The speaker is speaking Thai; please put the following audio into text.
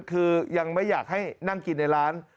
คือยังไม่อยากให้นั่งกินในร้าน